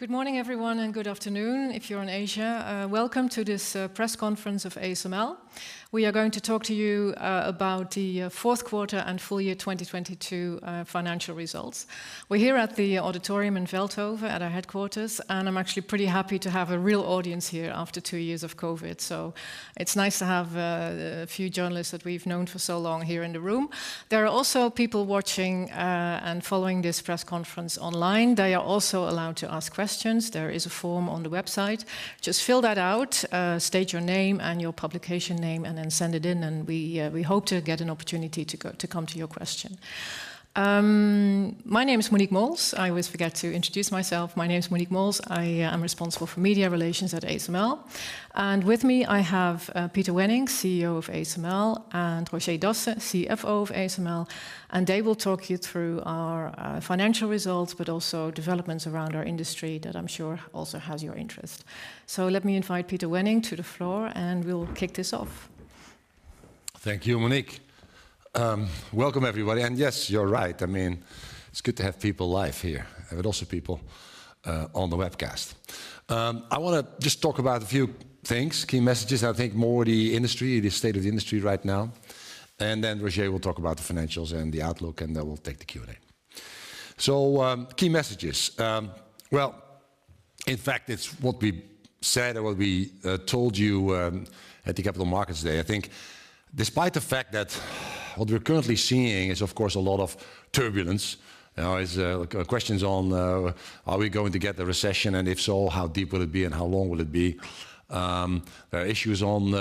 Good morning, everyone, and good afternoon if you're in Asia. Welcome to this press conference of ASML. We are going to talk to you about the fourth quarter and full year 2022 financial results. We're here at the auditorium in Veldhoven at our headquarters, and I'm actually pretty happy to have a real audience here after two years of COVID. It's nice to have a few journalists that we've known for so long here in the room. There are also people watching and following this press conference online. They are also allowed to ask questions. There is a form on the website. Just fill that out, state your name and your publication name, and then send it in and we hope to come to your question. My name is Monique Mols. I always forget to introduce myself. My name is Monique Mols. I am responsible for media relations at ASML. With me, I have Peter Wennink, CEO of ASML, and Roger Dassen, CFO of ASML, and they will talk you through our financial results, but also developments around our industry that I'm sure also has your interest. Let me invite Peter Wennink to the floor, and we'll kick this off. Thank you, Monique. Welcome everybody, yes, you're right. I mean, it's good to have people live here, but also people on the webcast. I wanna just talk about a few things, key messages, I think more the industry, the state of the industry right now, then Roger will talk about the financials and the outlook, then we'll take the Q&A. Key messages. Well, in fact, it's what we said and what we told you at the Capital Markets Day. I think despite the fact that what we're currently seeing is, of course, a lot of turbulence, you know, is questions on are we going to get the recession, if so, how deep will it be and how long will it be? There are issues on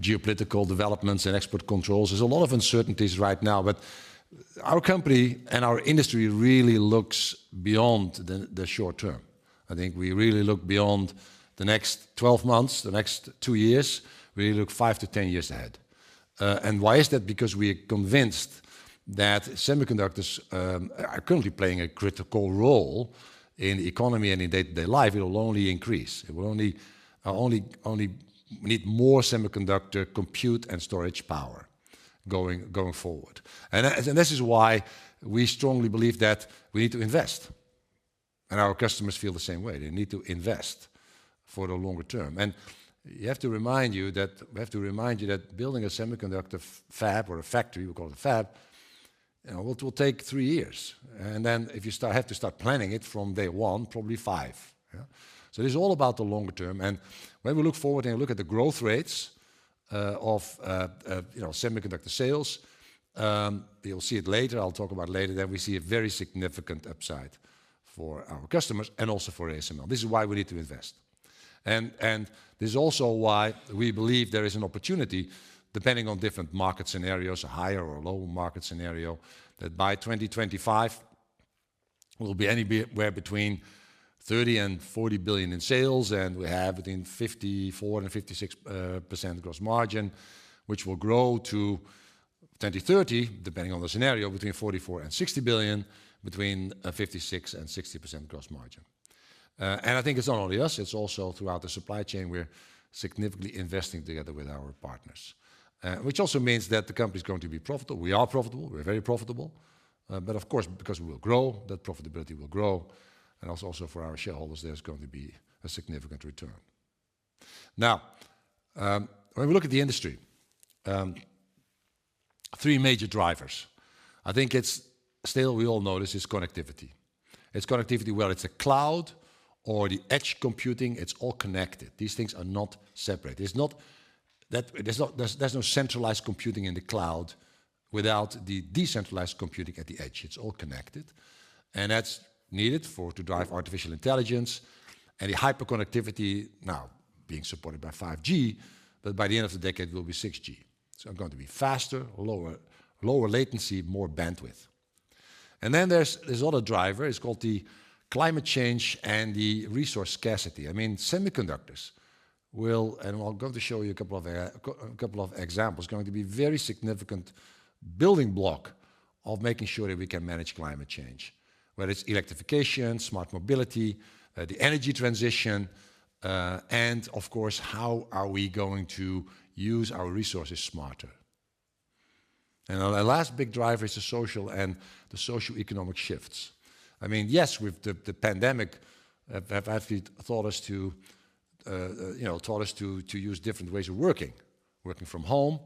geopolitical developments and export controls. There's a lot of uncertainties right now. Our company and our industry really looks beyond the short term. I think we really look beyond the next 12 months, the next 2 years. We look 5 to 10 years ahead. Why is that? Because we're convinced that semiconductors are currently playing a critical role in the economy and in day-to-day life. It will only increase. It will only need more semiconductor compute and storage power going forward. This is why we strongly believe that we need to invest, and our customers feel the same way. They need to invest for the longer term. We have to remind you that building a semiconductor fab or a factory, we call it a fab, you know, it will take 3 years. If you have to start planning it from day one, probably 5, yeah. This is all about the longer term, and when we look forward and look at the growth rates of, you know, semiconductor sales, you'll see it later, I'll talk about it later, that we see a very significant upside for our customers and also for ASML. This is why we need to invest. This is also why we believe there is an opportunity, depending on different market scenarios, a higher or lower market scenario, that by 2025, we'll be anywhere between 30 billion and 40 billion in sales, and we have between 54% and 56% gross margin, which will grow to 2030, depending on the scenario, between 44 billion and 60 billion, between 56% and 60% gross margin. I think it's not only us, it's also throughout the supply chain, we're significantly investing together with our partners. Which also means that the company is going to be profitable. We are profitable. We're very profitable. Of course, because we will grow, that profitability will grow, and also for our shareholders, there's going to be a significant return. Now, when we look at the industry, three major drivers. I think it's still, we all know this, it's connectivity. It's connectivity whether it's a cloud or the edge computing, it's all connected. These things are not separate. It's not that there's no centralized computing in the cloud without the decentralized computing at the edge. It's all connected. That's needed to drive artificial intelligence and the hyperconnectivity now being supported by 5G, but by the end of the decade, it will be 6G. It's going to be faster, lower latency, more bandwidth. There's another driver, it's called the climate change and the resource scarcity. I mean, semiconductors will, and I'm going to show you a couple of examples, going to be very significant building block of making sure that we can manage climate change, whether it's electrification, smart mobility, the energy transition, and of course, how are we going to use our resources smarter. Our last big driver is the social and the socioeconomic shifts. I mean, yes, with the pandemic, have actually taught us to, you know, taught us to use different ways of working from home,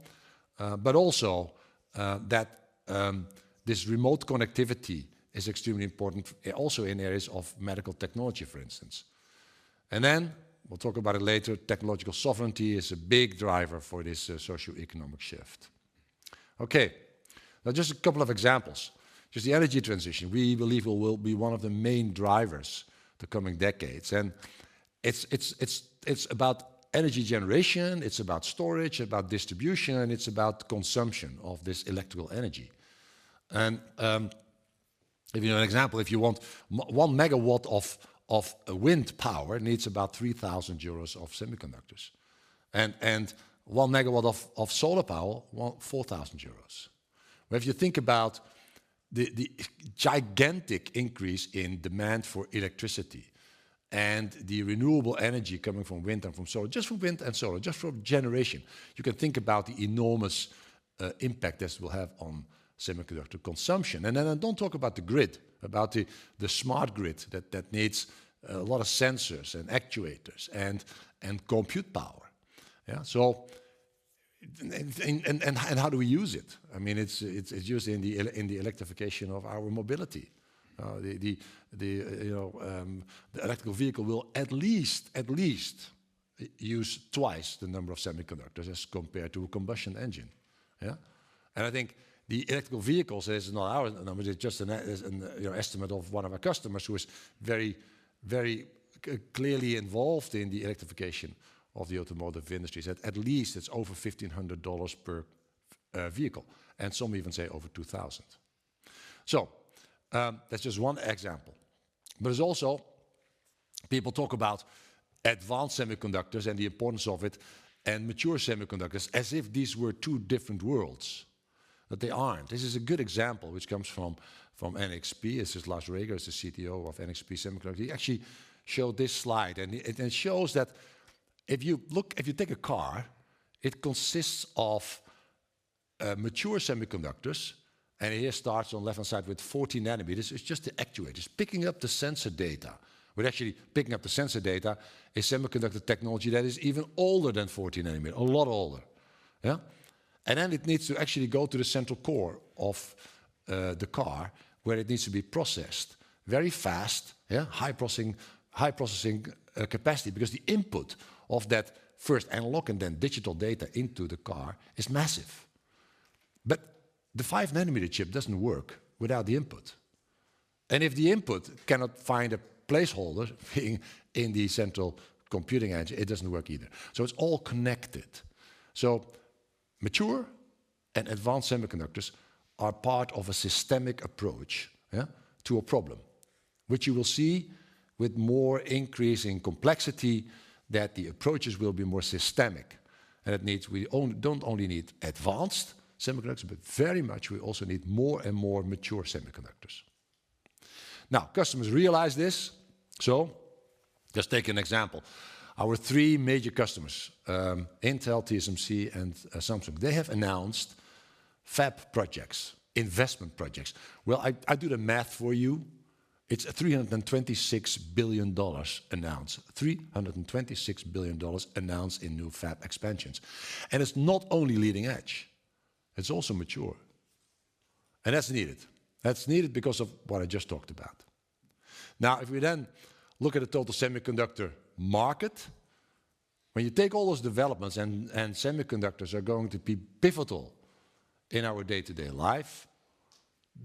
but also, that, this remote connectivity is extremely important also in areas of medical technology, for instance. We'll talk about it later, technological sovereignty is a big driver for this socioeconomic shift. Okay. Just a couple of examples, just the energy transition. We believe it will be one of the main drivers the coming decades. It's about energy generation, it's about storage, about distribution, and it's about consumption of this electrical energy. If you know an example, if you want 1 megawatt of wind power, it needs about 3,000 euros of semiconductors. 1 megawatt of solar power want 4,000 euros. If you think about the gigantic increase in demand for electricity. The renewable energy coming from wind and from solar, just from wind and solar, just from generation, you can think about the enormous impact this will have on semiconductor consumption. I don't talk about the grid, about the smart grid that needs a lot of sensors and actuators and compute power. Yeah. And how do we use it? I mean, it's used in the electrification of our mobility. The, you know, the electrical vehicle will at least use twice the number of semiconductors as compared to a combustion engine. Yeah. I think the electrical vehicles is not our numbers. It's just an, you know, estimate of one of our customers who is very, very clearly involved in the electrification of the automotive industry, said at least it's over $1,500 per vehicle, and some even say over $2,000. That's just one example. It's also people talk about advanced semiconductors and the importance of it and mature semiconductors as if these were two different worlds, but they aren't. This is a good example which comes from NXP. This is Lars Reger. He's the CTO of NXP Semiconductors. He actually showed this slide, and it shows that if you take a car, it consists of mature semiconductors. Here starts on left-hand side with 40 nm. It's just the actuators picking up the sensor data. We're actually picking up the sensor data, a semiconductor technology that is even older than 40 nm, a lot older. Yeah. Then it needs to actually go to the central core of the car where it needs to be processed very fast. Yeah. High processing capacity because the input of that first analog and then digital data into the car is massive. The 5 nm chip doesn't work without the input. If the input cannot find a placeholder being in the central computing engine, it doesn't work either. It's all connected. Mature and advanced semiconductors are part of a systemic approach, yeah, to a problem which you will see with more increase in complexity that the approaches will be more systemic. We don't only need advanced semiconductors, but very much we also need more and more mature semiconductors. Now, customers realize this. Just take an example. Our three major customers, Intel, TSMC, and Samsung, they have announced fab projects, investment projects. Well, I do the math for you. It's a $326 billion announced. $326 billion announced in new fab expansions. It's not only leading edge, it's also mature. That's needed. That's needed because of what I just talked about. If we then look at the total semiconductor market, when you take all those developments and semiconductors are going to be pivotal in our day-to-day life,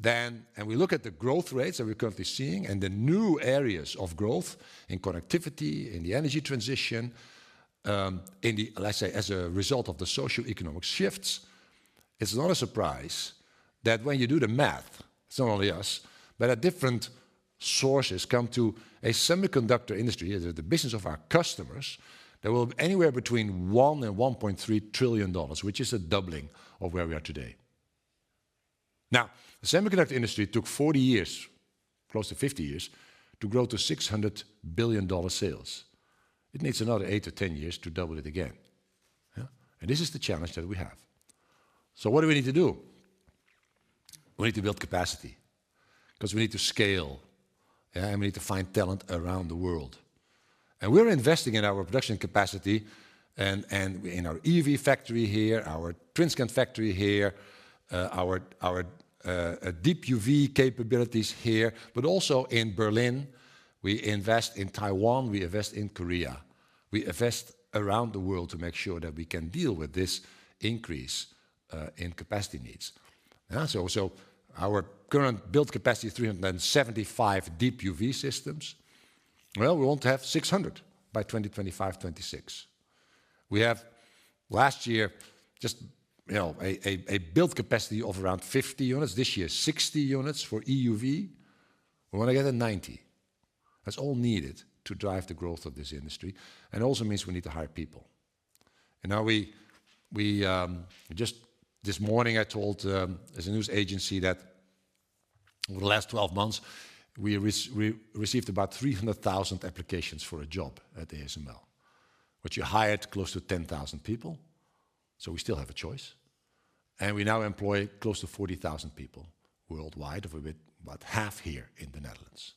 and we look at the growth rates that we're currently seeing and the new areas of growth in connectivity, in the energy transition, in the let's say, as a result of the socioeconomic shifts, it's not a surprise that when you do the math, it's not only us, but at different sources come to a semiconductor industry, the business of our customers, there will be anywhere between $1 trillion and $1.3 trillion, which is a doubling of where we are today. The semiconductor industry took 40 years, close to 50 years, to grow to $600 billion sales. It needs another 8 to 10 years to double it again. Yeah. This is the challenge that we have. What do we need to do? We need to build capacity because we need to scale. Yeah. We need to find talent around the world. We're investing in our production capacity and in our EUV factory here, our Princeton factory here, our Deep UV capabilities here, but also in Berlin. We invest in Taiwan. We invest in Korea. We invest around the world to make sure that we can deal with this increase in capacity needs. Yeah. Our current build capacity, 375 Deep UV systems. Well, we want to have 600 by 2025, 2026. We have last year just, you know, a build capacity of around 50 units. This year, 60 units for EUV. We want to get to 90. That's all needed to drive the growth of this industry, it also means we need to hire people. Now we just this morning, I told there's a news agency that over the last 12 months, we received about 300,000 applications for a job at ASML, which we hired close to 10,000 people, we still have a choice. We now employ close to 40,000 people worldwide, of which about half here in the Netherlands.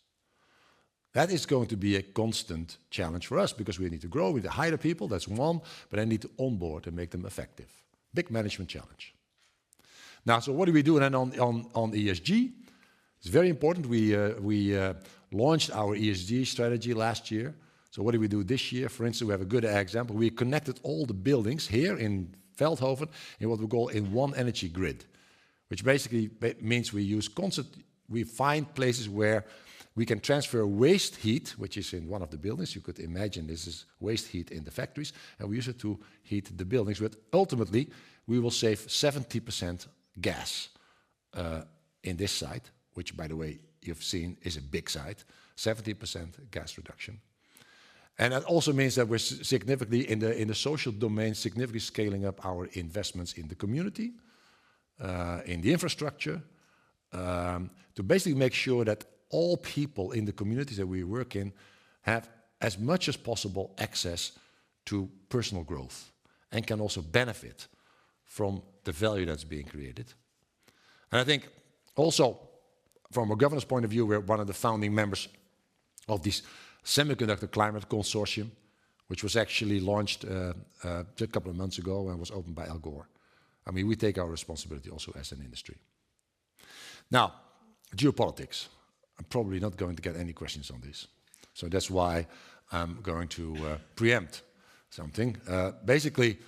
That is going to be a constant challenge for us because we need to grow. We need to hire people. That's one. I need to onboard and make them effective. Big management challenge. What do we do then on ESG? It's very important. We launched our ESG strategy last year. What do we do this year? For instance, we have a good example. We connected all the buildings here in Veldhoven in what we call a One Energy Grid, which basically means we find places where we can transfer waste heat, which is in one of the buildings. You could imagine this is waste heat in the factories, and we use it to heat the buildings. Ultimately, we will save 70% gas, in this site, which by the way you've seen is a big site. 70% gas reduction. That also means that we're significantly in the, in the social domain, significantly scaling up our investments in the community, in the infrastructure, to basically make sure that all people in the communities that we work in have as much as possible access to personal growth and can also benefit from the value that's being created. I think also from a governance point of view, we're one of the founding members of this Semiconductor Climate Consortium, which was actually launched a couple of months ago and was opened by Al Gore. I mean, we take our responsibility also as an industry. Now, geopolitics. I'm probably not going to get any questions on this, so that's why I'm going to preempt something. Basically,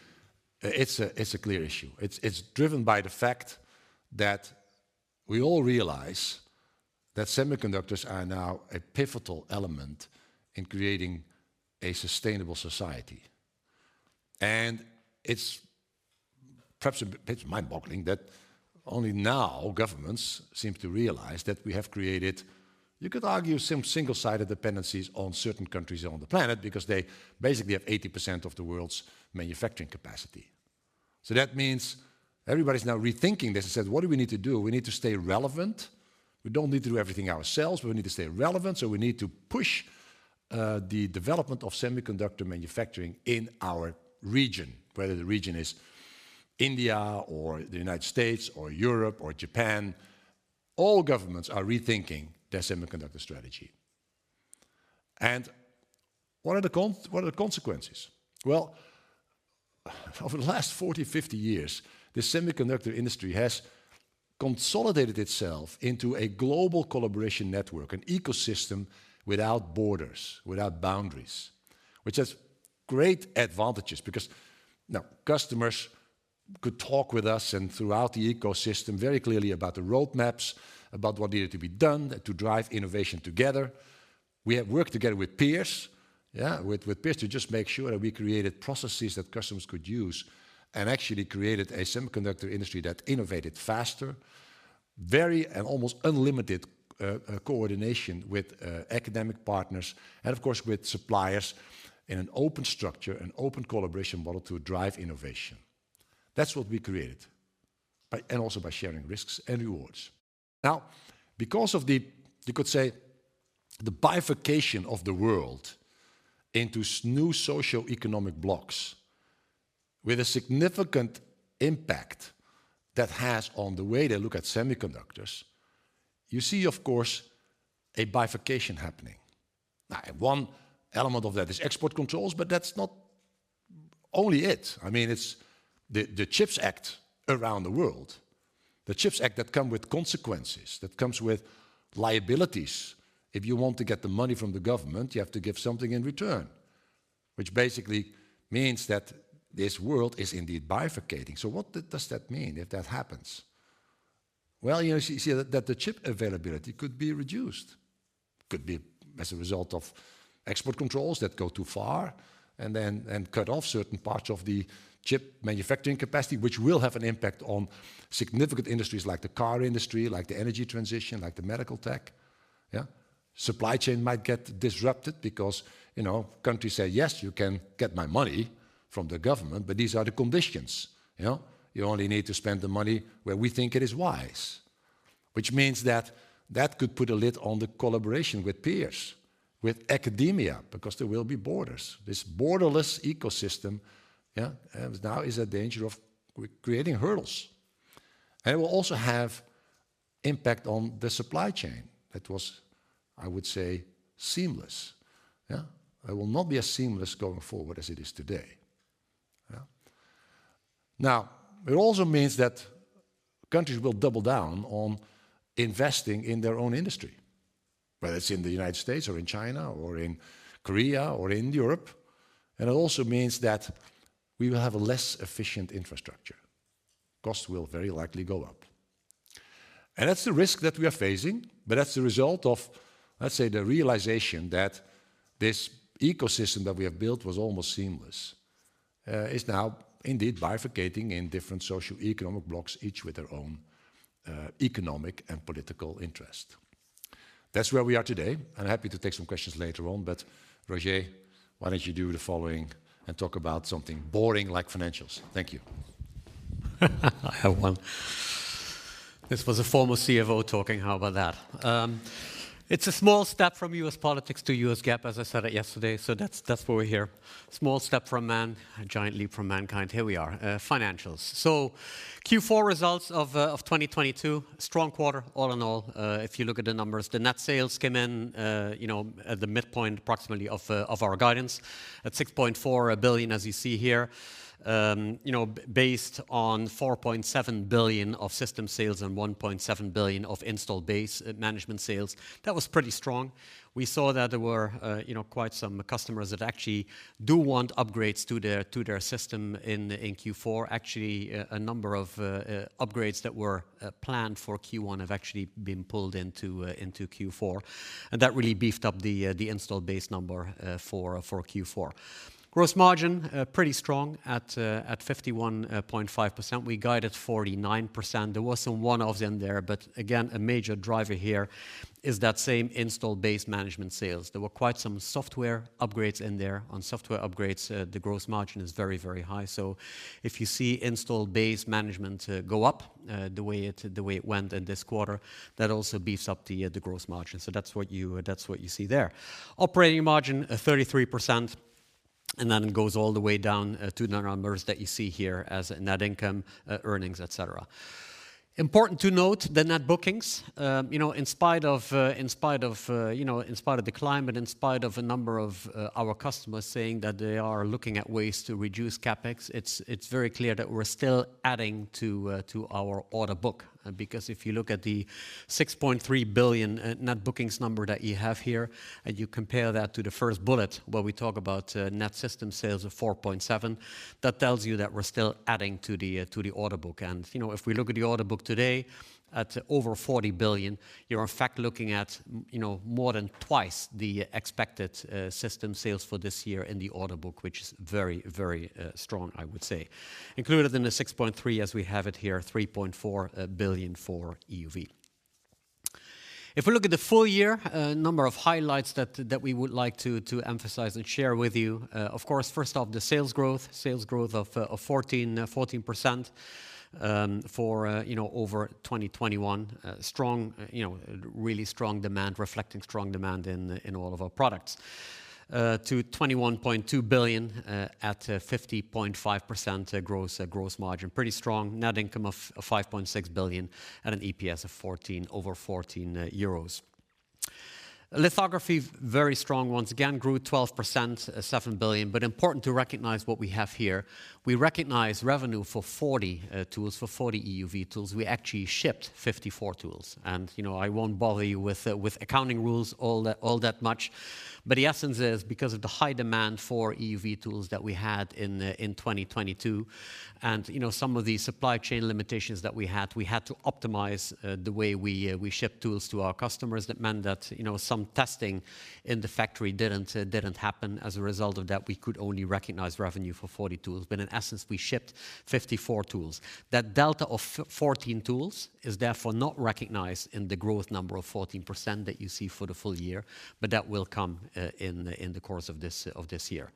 it's a clear issue. It's driven by the fact that we all realize that semiconductors are now a pivotal element in creating a sustainable society. It's perhaps a bit mind-boggling that only now governments seem to realize that we have created, you could argue, some single-sided dependencies on certain countries on the planet because they basically have 80% of the world's manufacturing capacity. That means everybody's now rethinking this and says, "What do we need to do? We need to stay relevant. We don't need to do everything ourselves, but we need to stay relevant, so we need to push the development of semiconductor manufacturing in our region," whether the region is India or the United States or Europe or Japan. All governments are rethinking their semiconductor strategy. What are the consequences? Over the last 40, 50 years, the semiconductor industry has consolidated itself into a global collaboration network, an ecosystem without borders, without boundaries. Which has great advantages because, you know, customers could talk with us and throughout the ecosystem very clearly about the roadmaps, about what needed to be done to drive innovation together. We have worked together with peers, yeah, with peers to just make sure that we created processes that customers could use and actually created a semiconductor industry that innovated faster, very and almost unlimited coordination with academic partners and of course, with suppliers in an open structure and open collaboration model to drive innovation. That's what we created and also by sharing risks and rewards. Because of the, you could say, the bifurcation of the world into new socioeconomic blocks with a significant impact that has on the way they look at semiconductors, you see, of course, a bifurcation happening. One element of that is export controls, but that's not only it. I mean, it's the CHIPS Act around the world. The CHIPS Act that come with consequences, that comes with liabilities. If you want to get the money from the government, you have to give something in return. Which basically means that this world is indeed bifurcating. What does that mean if that happens? You see that the chip availability could be reduced. Could be as a result of export controls that go too far and cut off certain parts of the chip manufacturing capacity, which will have an impact on significant industries like the car industry, like the energy transition, like the medical tech. Yeah. Supply chain might get disrupted because, you know, countries say, "Yes, you can get my money from the government, but these are the conditions." You know? You only need to spend the money where we think it is wise. Means that could put a lid on the collaboration with peers, with academia, because there will be borders. This borderless ecosystem, yeah, now is a danger of creating hurdles. It will also have impact on the supply chain. That was, I would say, seamless. Yeah. It will not be as seamless going forward as it is today. Yeah. It also means that countries will double down on investing in their own industry, whether it's in the United States or in China or in Korea or in Europe. It also means that we will have a less efficient infrastructure. Costs will very likely go up. That's the risk that we are facing, but that's the result of, let's say, the realization that this ecosystem that we have built was almost seamless. It's now indeed bifurcating in different socio-economic blocks, each with their own, economic and political interest. That's where we are today. I'm happy to take some questions later on. Roger, why don't you do the following and talk about something boring like financials? Thank you. I have one. This was a former CFO talking. How about that? It's a small step from U.S. politics to U.S. GAAP, as I said yesterday. That's why we're here. Small step for a man, a giant leap for mankind. Here we are, financials. Q4 results of 2022, strong quarter all in all, if you look at the numbers. The net sales came in, you know, at the midpoint approximately of our guidance at 6.4 billion, as you see here. You know, based on 4.7 billion of system sales and 1.7 billion of installed base management sales. That was pretty strong. We saw that there were, you know, quite some customers that actually do want upgrades to their system in Q4. Actually, a number of upgrades that were planned for Q1 have actually been pulled into Q4. That really beefed up the installed base number for Q4. Gross margin pretty strong at 51.5%. We guided 49%. There was some one-offs in there. Again, a major driver here is that same installed base management sales. There were quite some software upgrades in there. On software upgrades, the gross margin is very high. If you see installed base management go up the way it went in this quarter, that also beefs up the gross margin. That's what you see there. Operating margin, 33%, and then goes all the way down to numbers that you see here as net income, earnings, et cetera. Important to note, the net bookings, you know, in spite of, you know, in spite of the climate, in spite of a number of our customers saying that they are looking at ways to reduce CapEx, it's very clear that we're still adding to our order book. If you look at the 6.3 billion net bookings number that you have here, and you compare that to the first bullet where we talk about net system sales of 4.7 billion, that tells you that we're still adding to the order book. You know, if we look at the order book today, at over 40 billion, you're in fact looking at, you know, more than twice the expected system sales for this year in the order book, which is very, very strong, I would say. Included in the 6.3 as we have it here, 3.4 billion for EUV. If we look at the full year, a number of highlights that we would like to emphasize and share with you. Of course, first off, the sales growth. Sales growth of 14%, for, you know, over 2021. Strong, you know, really strong demand, reflecting strong demand in all of our products. To 21.2 billion, at 50.5% gross margin. Pretty strong net income of 5.6 billion at an EPS of 14, over 14 euros. Lithography, very strong once again, grew 12%, 7 billion EUR. Important to recognize what we have here. We recognize revenue for 40 tools, for 40 EUV tools. We actually shipped 54 tools. You know, I won't bother you with accounting rules all that much, but the essence is because of the high demand for EUV tools that we had in 2022, and, you know, some of the supply chain limitations that we had, we had to optimize the way we ship tools to our customers. That meant that, you know, some testing in the factory didn't happen. As a result of that, we could only recognize revenue for 40 tools, but in essence, we shipped 54 tools. That delta of 14 tools is therefore not recognized in the growth number of 14% that you see for the full year, but that will come in the course of this year.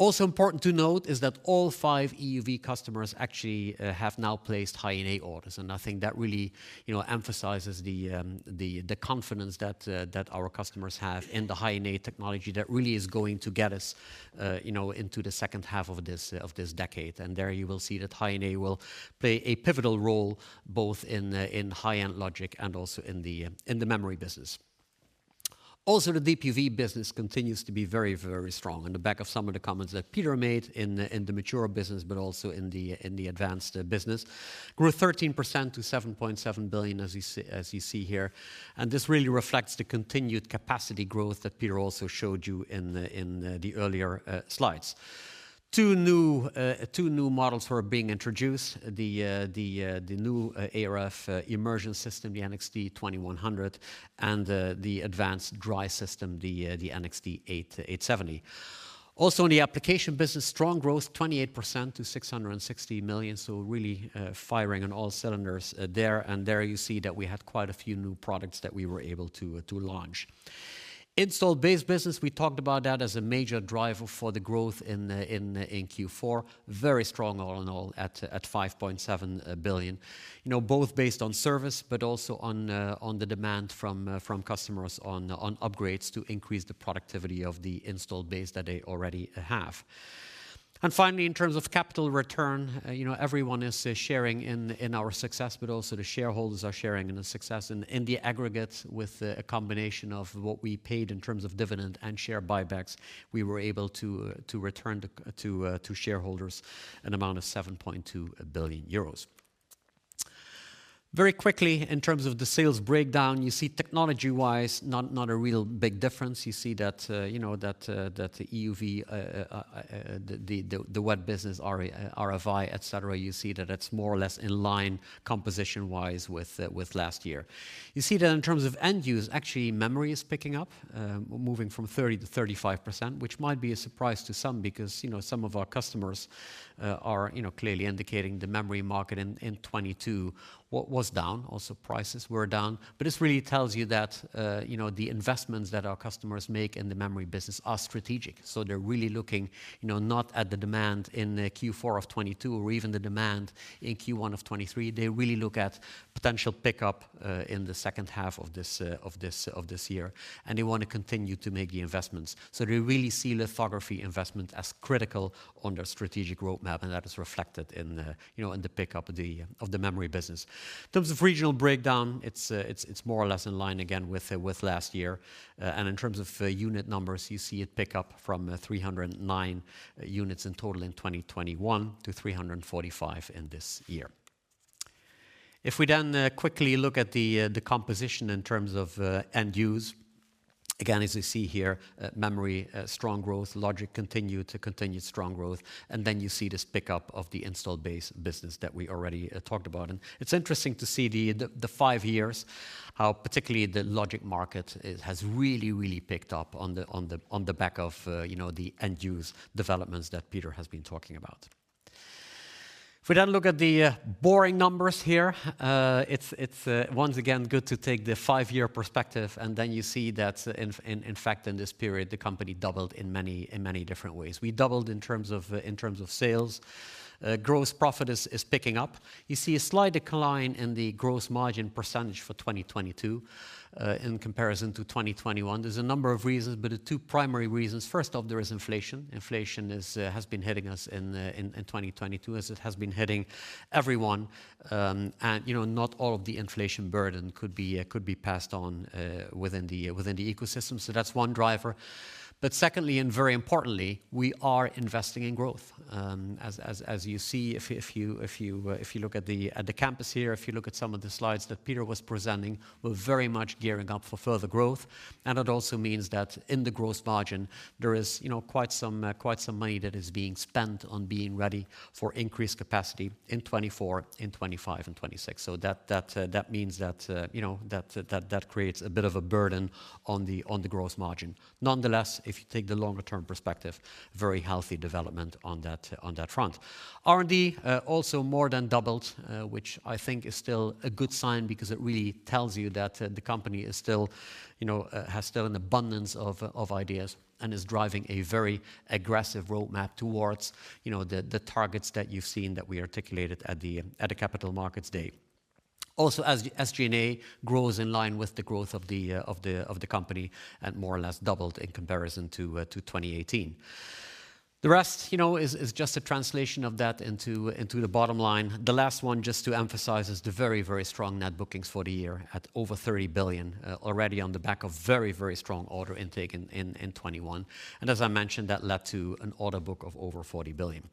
Also important to note is that all five EUV customers actually have now placed High-NA orders, and I think that really, you know, emphasizes the confidence that our customers have in the High-NA technology that really is going to get us, you know, into the second half of this decade. There you will see that High-NA will play a pivotal role both in high-end logic and also in the memory business. The DUV business continues to be very, very strong. On the back of some of the comments that Peter made in the mature business, but also in the advanced business, grew 13% to 7.7 billion, as you see here. This really reflects the continued capacity growth that Peter also showed you in the earlier slides. Two new models were being introduced, the new ArF immersion system, the NXT 2100, and the advanced dry system, the NXT 870. In the application business, strong growth, 28% to 660 million, really firing on all cylinders there. There you see that we have quite a few new products that we were able to launch. Installed base business, we talked about that as a major driver for the growth in Q4. Very strong all in all at 5.7 billion. You know, both based on service, but also on the demand from customers on upgrades to increase the productivity of the installed base that they already have. Finally, in terms of capital return, you know, everyone is sharing in our success, but also the shareholders are sharing in the success. In the aggregate with a combination of what we paid in terms of dividend and share buybacks, we were able to return to shareholders an amount of 7.2 billion euros. Very quickly, in terms of the sales breakdown, you see technology-wise, not a real big difference. You see that, you know, that the EUV, the, the wet business, RFI, et cetera, you see that it's more or less in line composition-wise with last year. You see that in terms of end use, actually memory is picking up, moving from 30% to 35%, which might be a surprise to some because, you know, some of our customers, are, you know, clearly indicating the memory market in 2022 was down, also prices were down. This really tells you that, you know, the investments that our customers make in the memory business are strategic. They're really looking, you know, not at the demand in Q4 of 2022 or even the demand in Q1 of 2023. They really look at potential pickup in the second half of this year. They want to continue to make the investments. They really see lithography investment as critical on their strategic roadmap. That is reflected in, you know, in the pickup of the memory business. In terms of regional breakdown, it's more or less in line again with last year. In terms of unit numbers, you see it pick up from 309 units in total in 2021 to 345 in this year. If we then quickly look at the composition in terms of end use, again, as you see here, memory, strong growth, logic continued to continued strong growth, and then you see this pickup of the installed base business that we already talked about. It's interesting to see the five years, how particularly the logic market, it has really, really picked up on the back of, you know, the end use developments that Peter has been talking about. If we then look at the boring numbers here, it's once again good to take the five-year perspective, and then you see that in fact, in this period, the company doubled in many different ways. We doubled in terms of in terms of sales. Gross profit is picking up. You see a slight decline in the gross margin percentage for 2022 in comparison to 2021. There's a number of reasons, but the two primary reasons: first off, there is inflation. Inflation has been hitting us in 2022 as it has been hitting everyone. You know, not all of the inflation burden could be passed on within the ecosystem, so that's one driver. Secondly, and very importantly, we are investing in growth. As you see if you look at the campus here, if you look at some of the slides that Peter was presenting, we're very much gearing up for further growth. It also means that in the gross margin, there is, you know, quite some money that is being spent on being ready for increased capacity in 2024, in 2025, and 2026. That means that, you know, that creates a bit of a burden on the gross margin. Nonetheless, if you take the longer-term perspective, very healthy development on that, on that front. R&D also more than doubled, which I think is still a good sign because it really tells you that the company is still, you know, has still an abundance of ideas and is driving a very aggressive roadmap towards, you know, the targets that you've seen that we articulated at the Capital Markets Day. As the SG&A grows in line with the growth of the company and more or less doubled in comparison to 2018. The rest, you know, is just a translation of that into the bottom line. The last one, just to emphasize, is the very, very strong net bookings for the year at over 30 billion already on the back of very, very strong order intake in 2021. As I mentioned, that led to an order book of over 40 billion.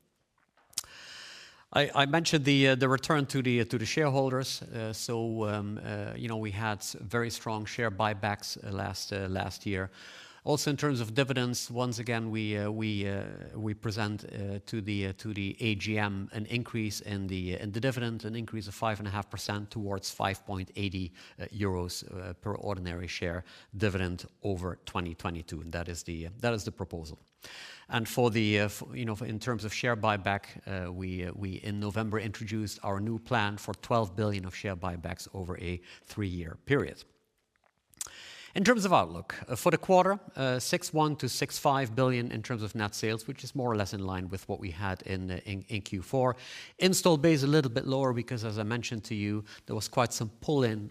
I mentioned the return to the shareholders. You know, we had very strong share buybacks last year. In terms of dividends, once again, we present to the AGM an increase in the dividend, an increase of 5.5% towards 5.80 euros per ordinary share dividend over 2022, and that is the proposal. For the, you know, for in terms of share buyback, we in November introduced our new plan for 12 billion of share buybacks over a 3-year period. In terms of outlook, for the quarter, 6.1 billion-6.5 billion in terms of net sales, which is more or less in line with what we had in Q4. Installed base a little bit lower because, as I mentioned to you, there was quite some pull-in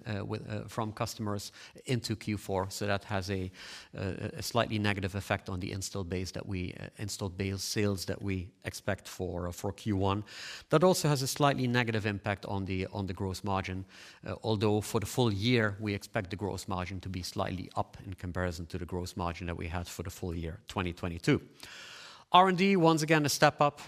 from customers into Q4. That has a slightly negative effect on the installed base sales that we expect for Q1. That also has a slightly negative impact on the gross margin, although for the full year, we expect the gross margin to be slightly up in comparison to the gross margin that we had for the full year 2022. R&D, once again, a step up,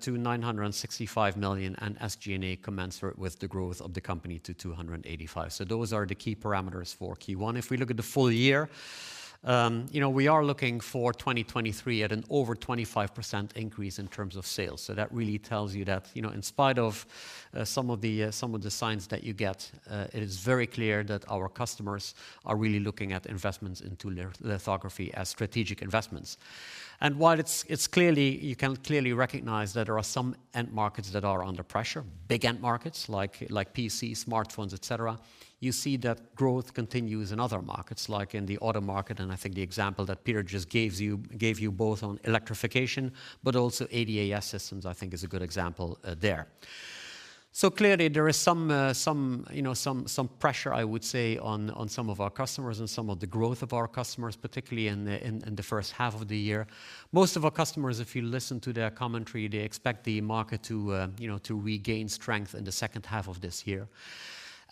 to 965 million, and SG&A commensurate with the growth of the company to 285. Those are the key parameters for Q1. If we look at the full year, you know, we are looking for 2023 at an over 25% increase in terms of sales. That really tells you that, you know, in spite of some of the, some of the signs that you get, it is very clear that our customers are really looking at investments into lithography as strategic investments. While it's clearly, you can clearly recognize that there are some end markets that are under pressure, big end markets like PCs, smartphones, et cetera, you see that growth continues in other markets, like in the auto market, and I think the example that Peter just gave you both on electrification but also ADAS systems I think is a good example there. Clearly, there is some, you know, some pressure, I would say, on some of our customers and some of the growth of our customers, particularly in the first half of the year. Most of our customers, if you listen to their commentary, they expect the market to, you know, to regain strength in the second half of this year.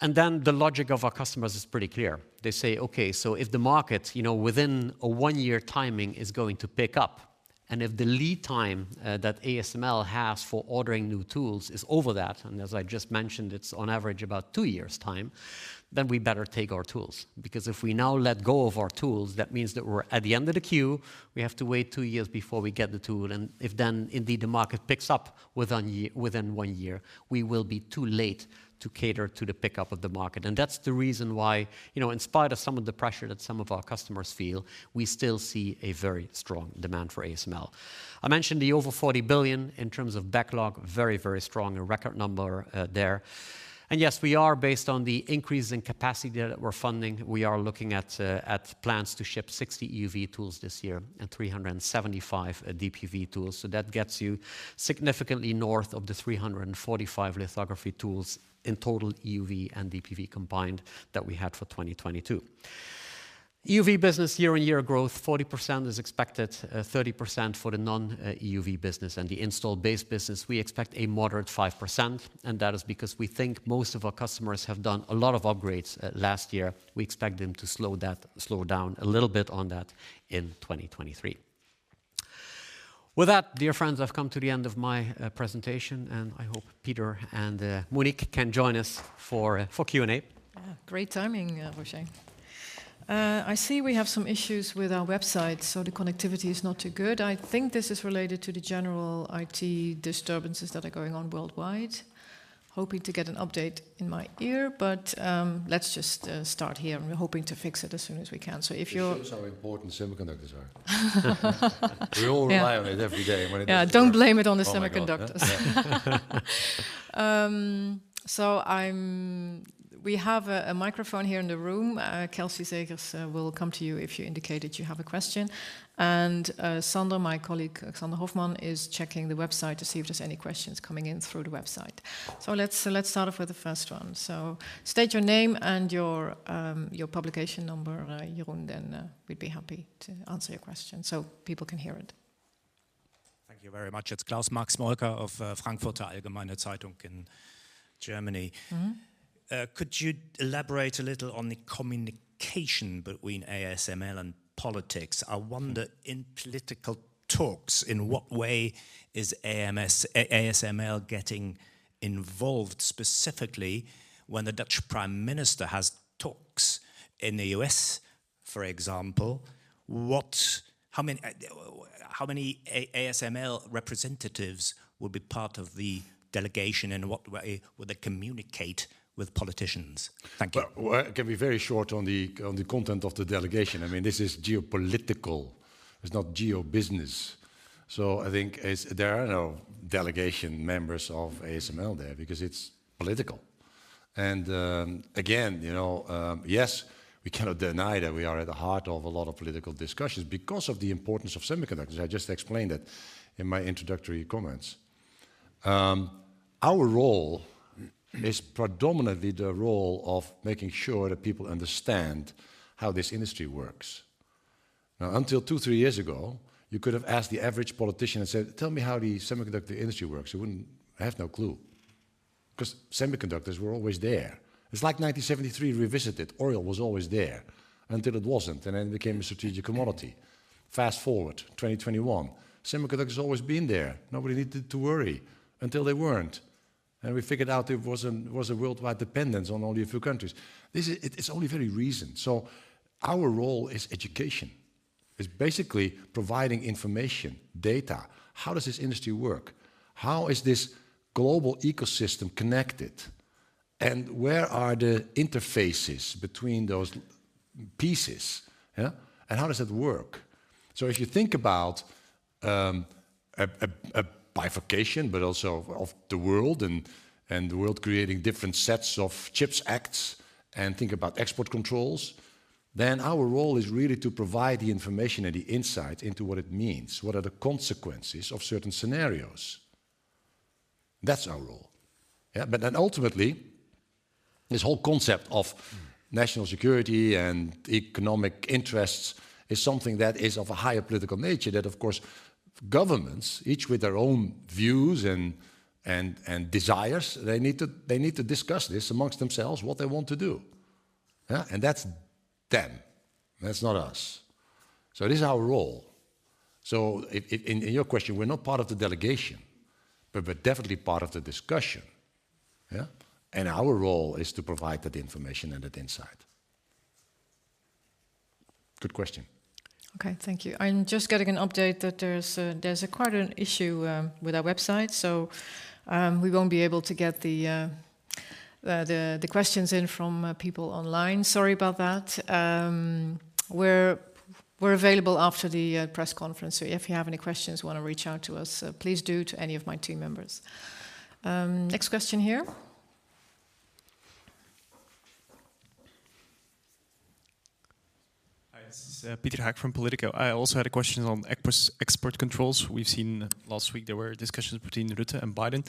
The logic of our customers is pretty clear. They say, "Okay, if the market, you know, within a 1-year timing is going to pick up, if the lead time that ASML has for ordering new tools is over that," as I just mentioned, it's on average about 2 years' time, "we better take our tools. If we now let go of our tools, that means that we're at the end of the queue, we have to wait 2 years before we get the tool, if indeed the market picks up within 1 year, we will be too late to cater to the pickup of the market." That's the reason why, you know, in spite of some of the pressure that some of our customers feel, we still see a very strong demand for ASML. I mentioned the over 40 billion in terms of backlog, very, very strong, a record number, there. Yes, we are, based on the increase in capacity that we're funding, we are looking at plans to ship 60 EUV tools this year and 375 DPV tools. That gets you significantly north of the 345 lithography tools in total EUV and DPV combined that we had for 2022. EUV business year-on-year growth, 40% is expected, 30% for the non-EUV business, and the installed base business, we expect a moderate 5%, and that is because we think most of our customers have done a lot of upgrades last year. We expect them to slow down a little bit on that in 2023. With that, dear friends, I've come to the end of my presentation, and I hope Peter and Monique can join us for Q&A. Great timing, Roger. I see we have some issues with our website, the connectivity is not too good. I think this is related to the general IT disturbances that are going on worldwide. Hoping to get an update in my ear, let's just start here. We're hoping to fix it as soon as we can. It shows how important semiconductors are. We all rely on it every day, and when it doesn't. Yeah, don't blame it on the semiconductors. Oh, my God. Yeah. We have a microphone here in the room. Kelsey Zegers will come to you if you indicated you have a question. Sander, my colleague, Sander Hofman, is checking the website to see if there's any questions coming in through the website. Let's start off with the first one. State your name and your publication number, Jeroen, we'd be happy to answer your question so people can hear it. Thank you very much. It's Klaus Max Smolka of Frankfurter Allgemeine Zeitung in Germany. Mm-hmm. Could you elaborate a little on the communication between ASML and politics? I wonder, in political talks, in what way is ASML getting involved specifically when the Dutch prime minister has talks in the U.S., for example? How many ASML representatives will be part of the delegation, and in what way will they communicate with politicians? Thank you. Well, it can be very short on the content of the delegation. I mean, this is geopolitical. It's not geo-business. I think there are no delegation members of ASML there because it's political. Again, you know, yes, we cannot deny that we are at the heart of a lot of political discussions because of the importance of semiconductors. I just explained it in my introductory comments. Our role is predominantly the role of making sure that people understand how this industry works. Now, until 2, 3 years ago, you could have asked the average politician and said, "Tell me how the semiconductor industry works." He wouldn't have no clue 'cause semiconductors were always there. It's like 1973 revisited. Oil was always there until it wasn't, and then it became a strategic commodity. Fast-forward, 2021, semiconductor's always been there. Nobody needed to worry until they weren't, we figured out there was a worldwide dependence on only a few countries. This it's only very recent. Our role is education. It's basically providing information, data. How does this industry work? How is this global ecosystem connected? Where are the interfaces between those pieces, yeah? How does that work? If you think about a bifurcation, but also of the world and the world creating different sets of CHIPS Acts and think about export controls, our role is really to provide the information and the insight into what it means. What are the consequences of certain scenarios? That's our role, yeah? Ultimately, this whole concept of national security and economic interests is something that is of a higher political nature that, of course, governments, each with their own views and desires, they need to discuss this amongst themselves what they want to do. Yeah? That's them. That's not us. This is our role. In your question, we're not part of the delegation, but we're definitely part of the discussion, yeah? Our role is to provide that information and that insight. Good question. Okay. Thank you. I'm just getting an update that there's quite an issue with our website. We won't be able to get the questions in from people online. Sorry about that. We're available after the press conference, if you have any questions, want to reach out to us, please do to any of my team members. Next question here. Hi. It's Pieter Haeck from POLITICO. I also had a question on export controls. We've seen last week there were discussions between Rutte and Biden.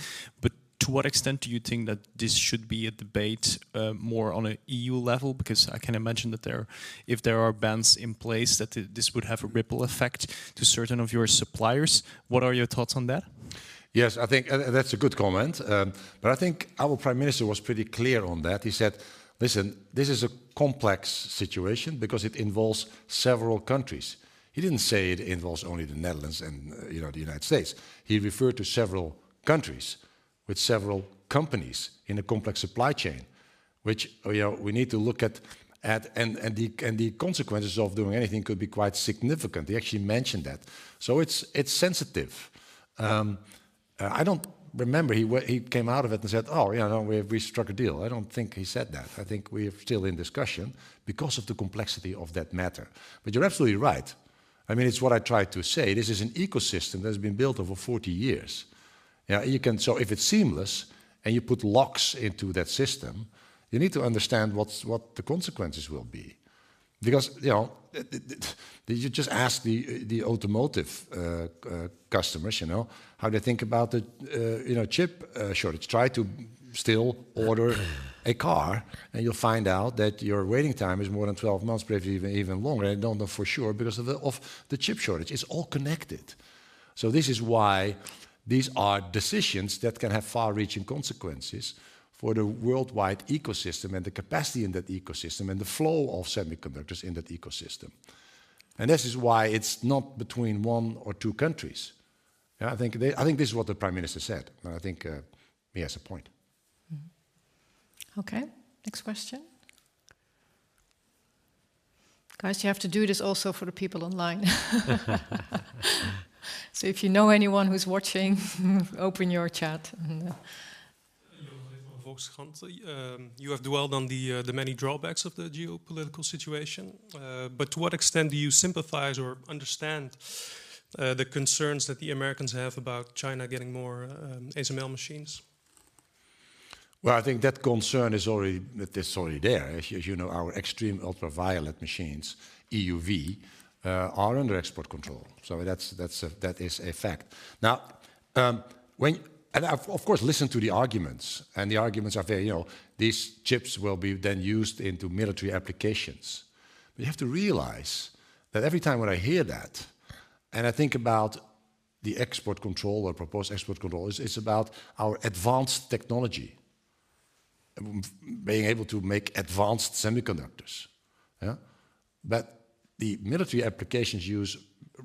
To what extent do you think that this should be a debate more on an EU level? Because I can imagine that there, if there are bans in place, that this would have a ripple effect to certain of your suppliers. What are your thoughts on that? Yes, I think that's a good comment. I think our prime minister was pretty clear on that. He said, "Listen, this is a complex situation because it involves several countries." He didn't say it involves only the Netherlands and, you know, the United States. He referred to several countries with several companies in a complex supply chain, which, you know, we need to look at. The consequences of doing anything could be quite significant. He actually mentioned that. It's, it's sensitive. I don't remember he came out of it and said, "Oh, yeah, no, we struck a deal." I don't think he said that. I think we're still in discussion because of the complexity of that matter. You're absolutely right. I mean, it's what I tried to say. This is an ecosystem that has been built over 40 years. Yeah, if it's seamless and you put locks into that system, you need to understand what the consequences will be. You know, you just ask the automotive customers, you know, how they think about the, you know, chip shortage. Try to still order a car, you'll find out that your waiting time is more than 12 months, perhaps even longer. I don't know for sure because of the chip shortage. It's all connected. This is why these are decisions that can have far-reaching consequences for the worldwide ecosystem and the capacity in that ecosystem and the flow of semiconductors in that ecosystem. This is why it's not between one or two countries. Yeah, I think this is what the prime minister said, and I think he has a point. Okay. Next question. Guys, you have to do this also for the people online. if you know anyone who's watching, open your chat and. Joost Even from Volkskrant. You have dwelled on the many drawbacks of the geopolitical situation. To what extent do you sympathize or understand the concerns that the Americans have about China getting more ASML machines? Well, I think that concern it is already there. As you know, our extreme ultraviolet machines, EUV, are under export control. That is a fact. Now, I've of course listened to the arguments, the arguments are very, you know, these chips will be then used into military applications. You have to realize that every time when I hear that, I think about the export control or proposed export control, it's about our advanced technology and being able to make advanced semiconductors, yeah? The military applications use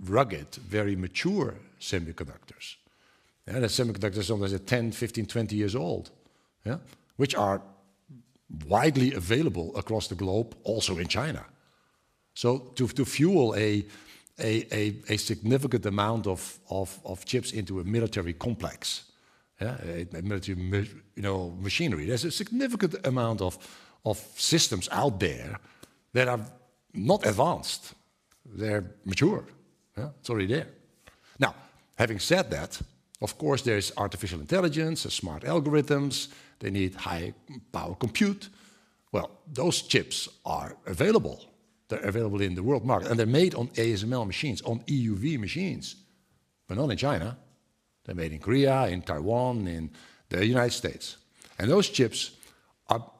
rugged, very mature semiconductors. Yeah, the semiconductor is sometimes 10, 15, 20 years old, yeah? Which are widely available across the globe, also in China. To fuel a significant amount of chips into a military complex, yeah, a military, you know, machinery, there's a significant amount of systems out there that are not advanced. They're mature, yeah? It's already there. Having said that, of course, there is artificial intelligence, there's smart algorithms. They need high power compute. Well, those chips are available. They're available in the world market, and they're made on ASML machines, on EUV machines. Not in China. They're made in Korea, in Taiwan, in the United States. Those chips are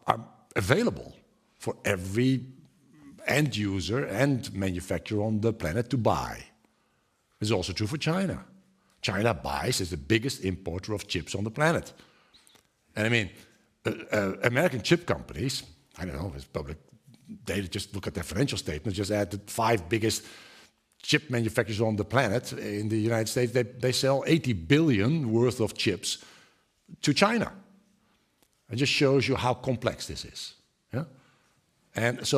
available for every end user and manufacturer on the planet to buy. It's also true for China. China buys, is the biggest importer of chips on the planet. I mean, American chip companies, I don't know, it's public data, just look at their financial statements. Just add the five biggest chip manufacturers on the planet in the United States. They sell $80 billion worth of chips to China. It just shows you how complex this is, yeah? It's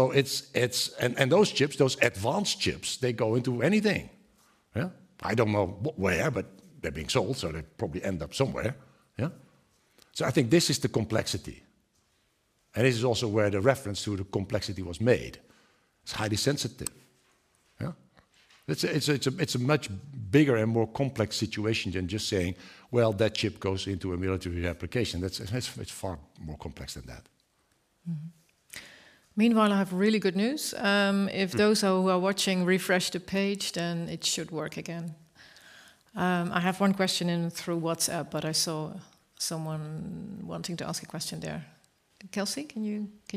and those chips, those advanced chips, they go into anything, yeah? I don't know where, but they're being sold, so they probably end up somewhere, yeah? I think this is the complexity, and this is also where the reference to the complexity was made. It's highly sensitive, yeah? It's a much bigger and more complex situation than just saying, "Well, that chip goes into a military application." That's, it's far more complex than that. Meanwhile, I have really good news. Mm. If those who are watching refresh the page, then it should work again. I have one question in through WhatsApp, but I saw someone wanting to ask a question there. Kelsey, can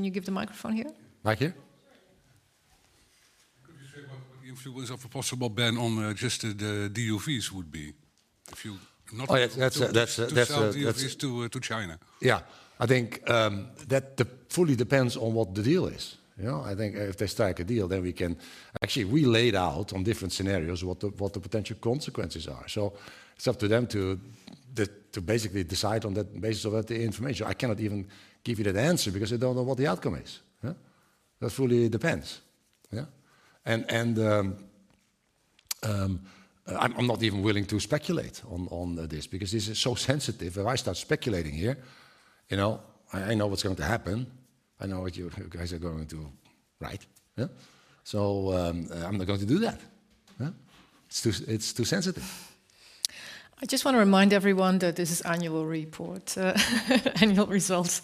you give the microphone here? Mike here. Sure, yeah. Could you say what the influence of a possible ban on just the DUVs would be? Oh, that's to sell DUVs to China. Yeah. I think that fully depends on what the deal is, you know? I think if they strike a deal, we can. Actually, we laid out on different scenarios what the potential consequences are. It's up to them to basically decide on the basis of that information. I cannot even give you that answer because I don't know what the outcome is, yeah? That fully depends, yeah? I'm not even willing to speculate on this because this is so sensitive. If I start speculating here, you know, I know what's going to happen. I know what you guys are going to write, yeah? I'm not going to do that, yeah? It's too sensitive. I just want to remind everyone that this is annual report, annual results.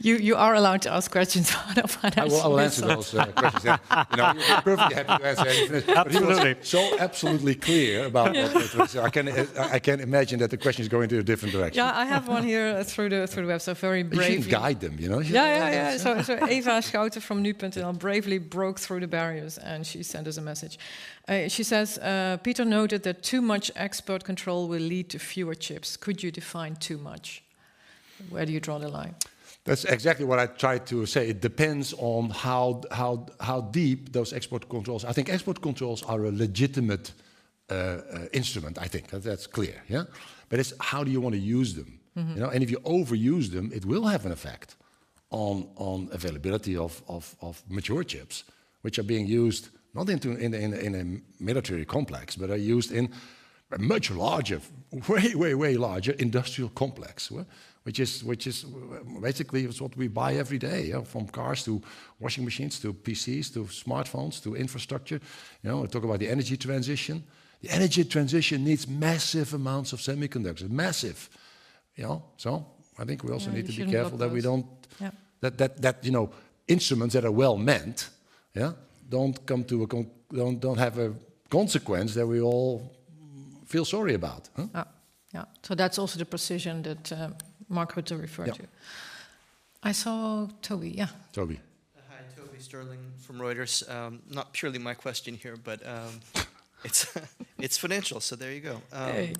You are allowed to ask questions, so I don't want to answer. I will answer those questions, yeah. You know, you're perfectly happy to answer anything. Absolutely. He was so absolutely clear about what it was. Yes. I can imagine that the question is going to a different direction. Yeah, I have one here through the, through the web, so very bravely. You should guide them, you know? Yeah, yeah. So Eva Schouten from NU.nl bravely broke through the barriers, and she sent us a message. She says, "Peter noted that too much export control will lead to fewer chips. Could you define too much? Where do you draw the line? That's exactly what I tried to say. It depends on how deep those export controls. I think export controls are a legitimate instrument, I think. That's clear, yeah? It's how do you want to use them. Mm-hmm. If you overuse them, it will have an effect on availability of mature chips, which are being used not into, in a military complex, but are used in a much larger, way larger industrial complex, yeah? Which is basically what we buy every day, you know, from cars to washing machines, to PCs, to smartphones, to infrastructure. We talk about the energy transition. The energy transition needs massive amounts of semiconductors. Massive, you know? I think we also need to be careful- Yeah, we shouldn't block those. that we don't- Yeah ...that, you know, instruments that are well-meant, yeah, don't have a consequence that we all feel sorry about, huh? Yeah. Yeah. That's also the precision that Marco had referred to. Yeah. I saw Toby. Yeah. Toby. Hi. Toby Sterling from Reuters. Not purely my question here, but It's financial, there you go. Hey.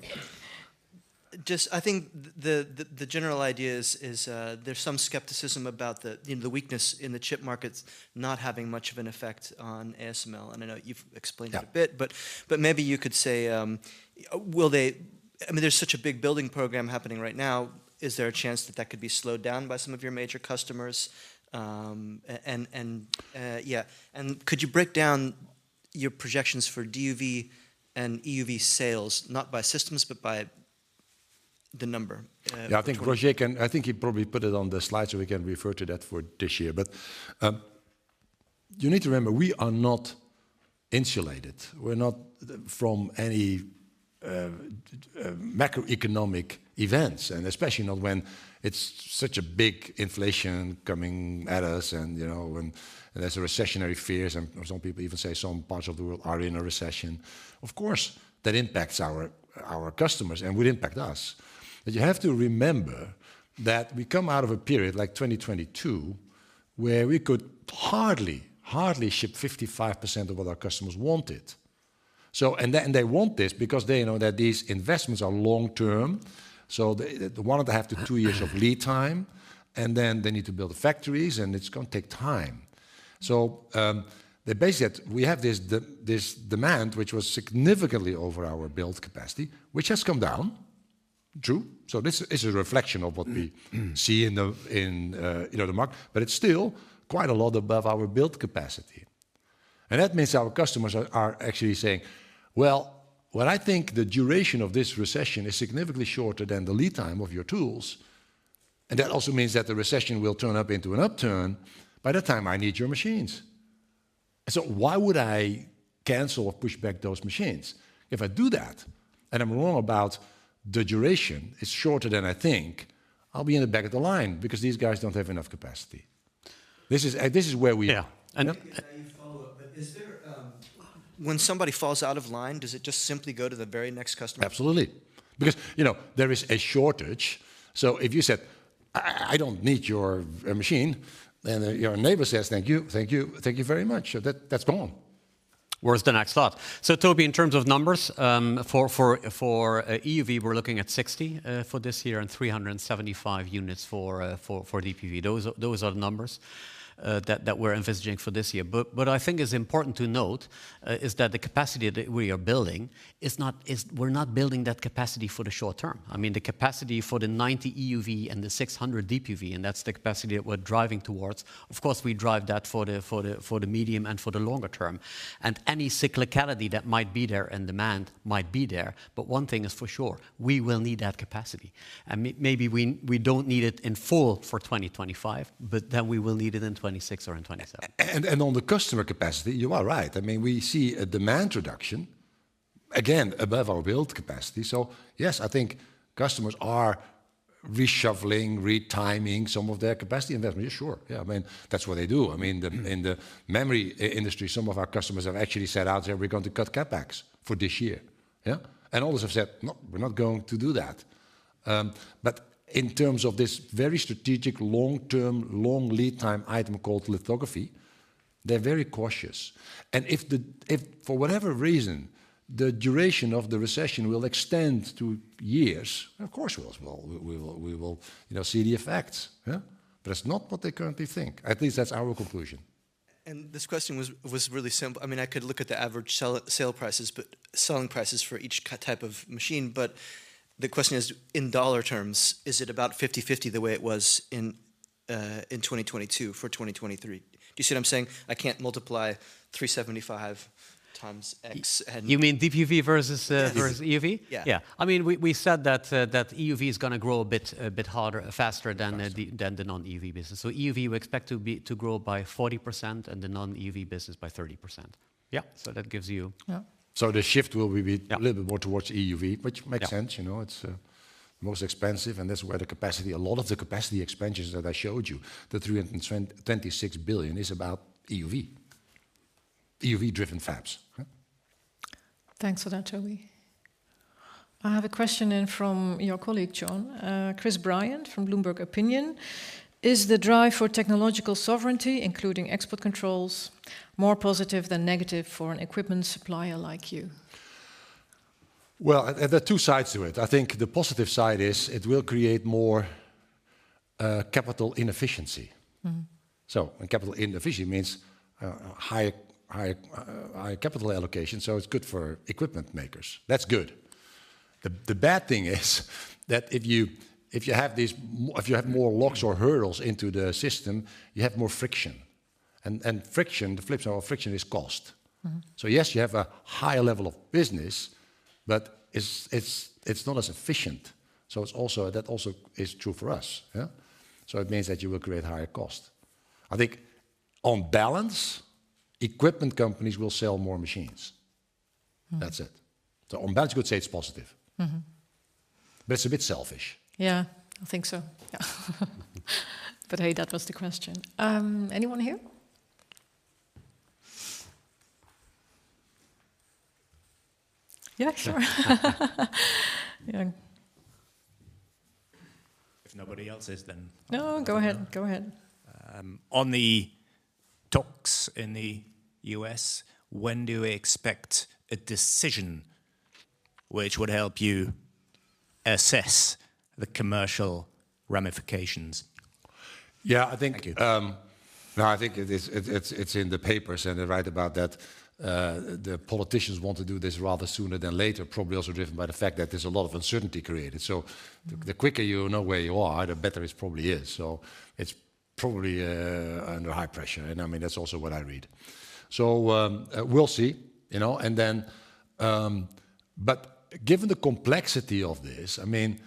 Just I think the general idea is, there's some skepticism about the, you know, the weakness in the chip markets not having much of an effect on ASML. I know you've explained it a bit. Yeah. Maybe you could say, I mean, there's such a big building program happening right now. Is there a chance that that could be slowed down by some of your major customers? Yeah. Could you break down your projections for DUV and EUV sales, not by systems, but by the number in total? I think he probably put it on the slide, so we can refer to that for this year. You need to remember, we are not insulated. We're not from any macroeconomic events, and especially not when it's such a big inflation coming at us and, you know, and there's a recessionary fears, or some people even say some parts of the world are in a recession. Of course, that impacts our customers and will impact us. You have to remember that we come out of a period like 2022, where we could hardly ship 55% of what our customers wanted. They want this because they know that these investments are long-term, so they, the 1.5 to 2 years of lead time, and then they need to build factories, and it's gonna take time. The base yet, we have this demand, which was significantly over our build capacity, which has come down. True. This is a reflection of what we see in the, you know, the market, but it's still quite a lot above our build capacity. That means our customers are actually saying, "Well, what I think the duration of this recession is significantly shorter than the lead time of your tools, and that also means that the recession will turn up into an upturn by the time I need your machines. Why would I cancel or push back those machines? If I do that, and I'm wrong about the duration, it's shorter than I think, I'll be in the back of the line because these guys don't have enough capacity. This is where we are. Yeah. Maybe a naive follow-up, is there, when somebody falls out of line, does it just simply go to the very next customer? Absolutely. You know, there is a shortage, so if you said, "I don't need your machine," then your neighbor says, "Thank you, thank you, thank you very much." That's gone. Where's the next slot? Toby, in terms of numbers, for EUV, we're looking at 60 for this year and 375 units for DPV. Those are the numbers that we're envisaging for this year. I think it's important to note, is that the capacity that we are building, we're not building that capacity for the short term. I mean, the capacity for the 90 EUV and the 600 DPV, and that's the capacity that we're driving towards, of course, we drive that for the medium and for the longer term. Any cyclicality that might be there and demand might be there, but one thing is for sure, we will need that capacity. Maybe we don't need it in full for 2025, but then we will need it in 2026 or in 2027. On the customer capacity, you are right. I mean, we see a demand reduction, again, above our build capacity. Yes, I think customers are reshuffling, retiming some of their capacity investment. Sure. Yeah, I mean, that's what they do. I mean, the, in the memory industry, some of our customers have actually set out, said, "We're going to cut CapEx for this year." Yeah. Others have said, "No, we're not going to do that." In terms of this very strategic long-term, long lead time item called lithography, they're very cautious. If for whatever reason, the duration of the recession will extend to years, of course, we will, you know, see the effects. Yeah. It's not what they currently think. At least that's our conclusion. This question was really simple. I mean, I could look at the average sell, sale prices, but selling prices for each type of machine. The question is, in dollar terms, is it about 50/50 the way it was in 2022 for 2023? Do you see what I'm saying? I can't multiply 375 times X. You mean DPV versus versus EUV? Yeah. Yeah. I mean, we said that EUV is gonna grow a bit harder, faster. Faster than the non-EUV business. EUV, we expect to grow by 40% and the non-EUV business by 30%. Yeah. That gives you. Yeah. The shift. Yeah... a little bit more towards EUV, which makes sense. You know, it's most expensive, and that's where the capacity, a lot of the capacity expansions that I showed you, the $326 billion is about EUV-driven fabs. Yeah. Thanks for that, Toby. I have a question in from your colleague, John. Chris Bryant from Bloomberg Opinion, is the drive for technological sovereignty, including export controls, more positive than negative for an equipment supplier like you? Well, there are two sides to it. I think the positive side is it will create more, capital inefficiency. Mm-hmm. Capital inefficiency means high capital allocation, so it's good for equipment makers. That's good. The bad thing is that if you have more locks or hurdles into the system, you have more friction. Friction, the flips of friction is cost. Mm-hmm. Yes, you have a higher level of business, but it's not as efficient. It's also, that also is true for us. Yeah. It means that you will create higher cost. I think on balance, equipment companies will sell more machines. Mm-hmm. That's it. On balance, you could say it's positive. Mm-hmm. It's a bit selfish. Yeah. I think so. Yeah. Hey, that was the question. Anyone here? Yeah, sure. Yeah. If nobody else is, then I'll. No, go ahead. Go ahead. On the talks in the U.S., when do we expect a decision which would help you assess the commercial ramifications? Yeah. Thank you. No, I think it's in the papers, and they're right about that. The politicians want to do this rather sooner than later, probably also driven by the fact that there's a lot of uncertainty created. The quicker you know where you are, the better it probably is. It's probably under high pressure, and I mean, that's also what I read. We'll see, you know. Given the complexity of this, I mean,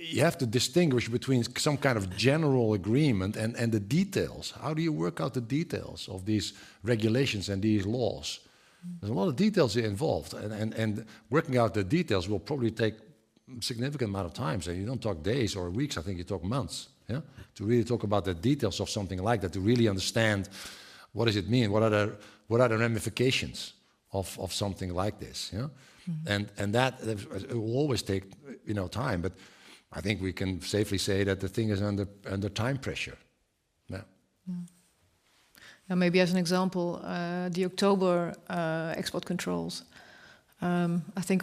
you have to distinguish between some kind of general agreement and the details. How do you work out the details of these regulations and these laws? Mm. There's a lot of details involved, and working out the details will probably take significant amount of time. You don't talk days or weeks, I think you talk months, yeah, to really talk about the details of something like that, to really understand what does it mean, what are the ramifications of something like this, you know? Mm. That will always take, you know, time. I think we can safely say that the thing is under time pressure. Yeah. Maybe as an example, the October export controls, I think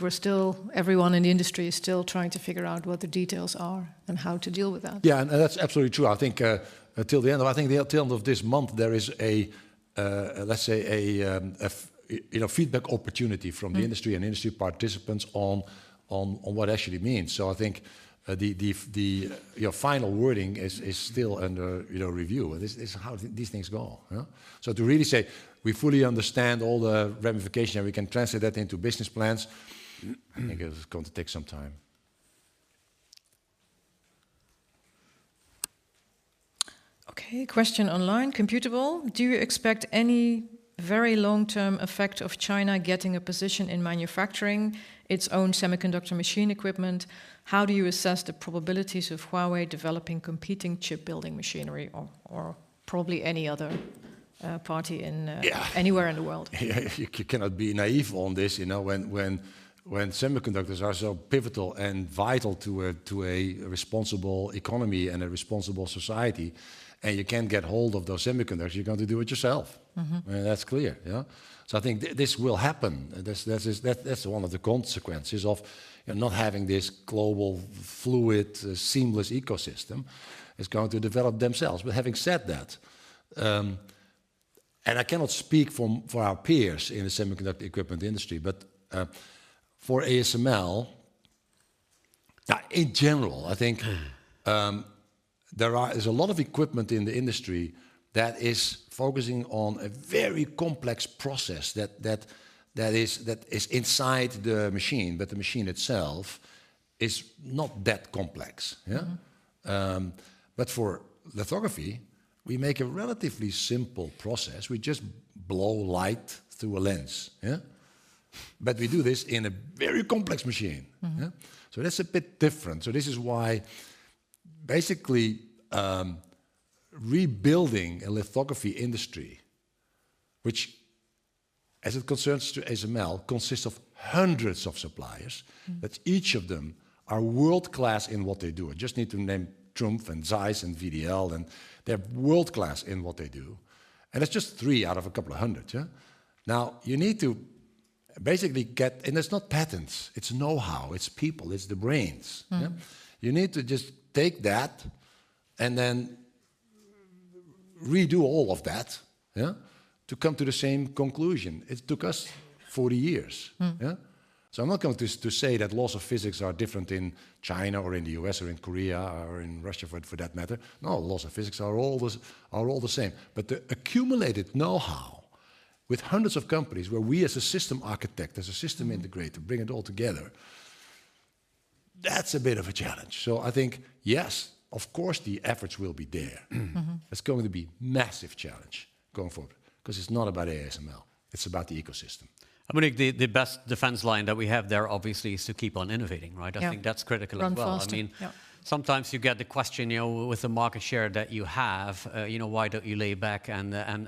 everyone in the industry is still trying to figure out what the details are and how to deal with that. Yeah. That's absolutely true. I think, until the end of this month, there is a, let's say, a, you know, feedback opportunity from... Mm... the industry and industry participants on what it actually means. I think, you know, final wording is still under, you know, review. This is how these things go, you know. To really say we fully understand all the ramifications, and we can translate that into business plans, I think it's going to take some time. Okay. Question online. Computable: Do you expect any very long-term effect of China getting a position in manufacturing its own semiconductor machine equipment? How do you assess the probabilities of Huawei developing competing chip building machinery or probably any other party in... Yeah... anywhere in the world? You cannot be naive on this, you know. When semiconductors are so pivotal and vital to a responsible economy and a responsible society, and you can't get hold of those semiconductors, you're going to do it yourself. Mm-hmm. That's clear, you know. I think this will happen. That's one of the consequences of, you know, not having this global fluid, seamless ecosystem. It's going to develop themselves. Having said that, I cannot speak for our peers in the semiconductor equipment industry, but for ASML in general, I think there's a lot of equipment in the industry that is focusing on a very complex process that is inside the machine. The machine itself is not that complex, yeah. For lithography, we make a relatively simple process. We just blow light through a lens, yeah. We do this in a very complex machine. Mm-hmm. Yeah. That's a bit different. This is why basically, rebuilding a lithography industry, which as it concerns to ASML, consists of hundreds of suppliers- Mm but each of them are world-class in what they do. I just need to name TRUMPF and ZEISS and VDL, and they're world-class in what they do. That's just three out of a couple of hundred, yeah. Now, you need to basically it's not patents, it's knowhow, it's people, it's the brains, yeah. Mm. You need to just take that and then redo all of that, yeah, to come to the same conclusion. It took us 40 years. Mm. Yeah. I'm not going to say that laws of physics are different in China or in the U.S. or in Korea or in Russia for that matter. No, laws of physics are all the same. The accumulated knowhow with hundreds of companies where we as a system architect, as a system integrator. Mm... bring it all together, that's a bit of a challenge. I think, yes, of course, the efforts will be there. Mm-hmm. It's going to be massive challenge going forward because it's not about ASML, it's about the ecosystem. I believe the best defense line that we have there obviously is to keep on innovating, right? Yeah. I think that's critical as well. Yeah ... sometimes you get the question, you know, with the market share that you have, you know, why don't you lay back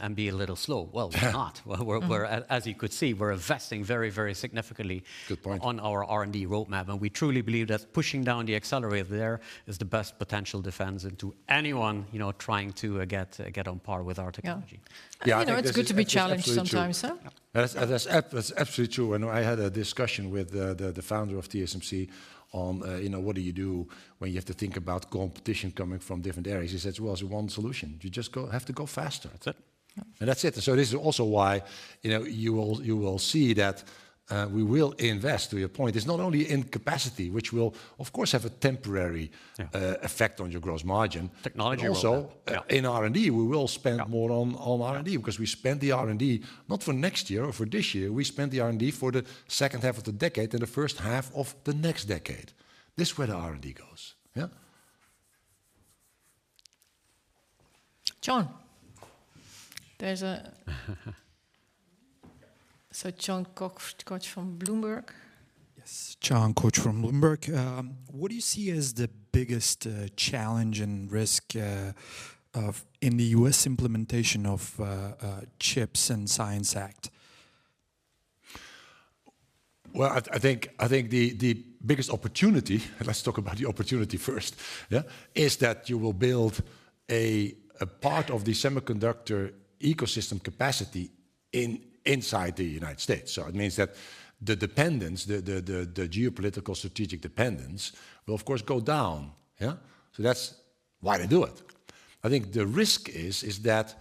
and be a little slow? Well, we're not. Mm as you could see, we're investing very, very significantly. Good point.... on our R&D roadmap. We truly believe that pushing down the accelerator there is the best potential defense into anyone, you know, trying to get on par with our technology. Yeah. You know, it's good to be challenged sometimes, huh? That's absolutely true. I know I had a discussion with the founder of TSMC on, you know, what do you do when you have to think about competition coming from different areas? He says, "Well, there's one solution. You just have to go faster. That's it. Yeah. That's it. This is also why, you know, you will see that, we will invest, to your point. It's not only in capacity, which will of course have a temporary- Yeah... effect on your gross margin. Technology also. Yeah. In R&D, we will spend. Yeah... more on R&D because we spend the R&D not for next year or for this year, we spend the R&D for the second half of the decade and the first half of the next decade. This is where the R&D goes, yeah. John. John Koch from Bloomberg. Yes. Jonathan Stearns from Bloomberg. What do you see as the biggest challenge and risk in the U.S. implementation of CHIPS and Science Act? I think the biggest opportunity, let's talk about the opportunity first, yeah, is that you will build a part of the semiconductor ecosystem capacity inside the United States. It means that the dependence, the geopolitical strategic dependence will of course go down, yeah? That's why they do it. I think the risk is that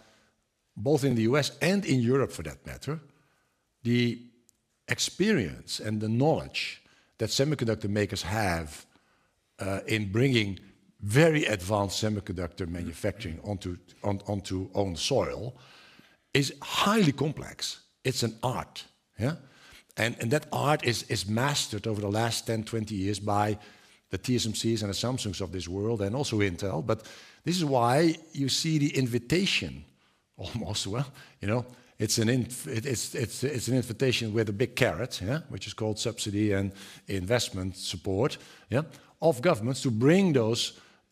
both in the U.S. and in Europe for that matter, the experience and the knowledge that semiconductor makers have in bringing very advanced semiconductor manufacturing onto own soil is highly complex. It's an art, yeah? And that art is mastered over the last 10, 20 years by the TSMCs and the Samsungs of this world, and also Intel. This is why you see the invitation almost, well, you know, it's an invitation with a big carrot, yeah? Which is called subsidy and investment support, yeah, of governments to bring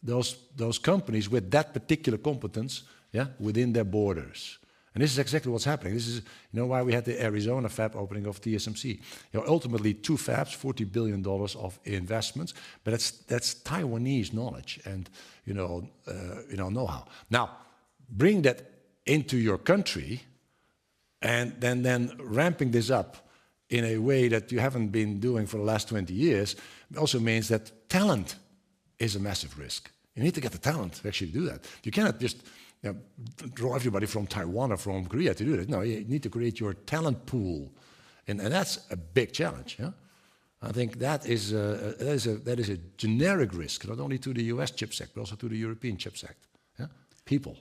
those companies with that particular competence, yeah, within their borders. This is exactly what's happening. This is, you know, why we had the Arizona fab opening of TSMC. You know, ultimately 2 fabs, $40 billion of investments, that's Taiwanese knowledge and, you know-how. Bringing that into your country and then ramping this up in a way that you haven't been doing for the last 20 years also means that talent is a massive risk. You need to get the talent to actually do that. You cannot just, you know, draw everybody from Taiwan or from Korea to do that. No, you need to create your talent pool, and that's a big challenge, yeah? I think that is a generic risk, not only to the U.S. chip sector, but also to the European chip sector, yeah? People.